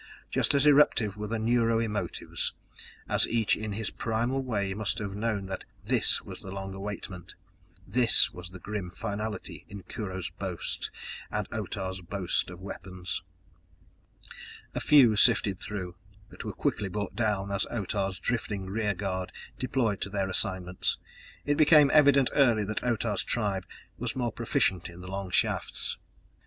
Just as eruptive were the neuro emotives, as each in his primal way must have known that this was the long awaitment, this was the grim finality in Kurho's boast and Otah's boast of weapons. A few sifted through, but were quickly brought down as Otah's drifting rear guard deployed to their assignments. It became evident early that Otah's tribe was more proficient in the long shafts!